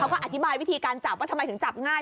ก็อธิบายวิธีการจับว่าทำไมถึงจับง่าย